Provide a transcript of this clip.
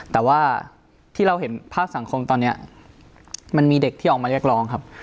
แต่ว่าที่เราเห็นภาพสังคมตอนนี้มันมีเด็กที่ออกมาเรียกร้องครับ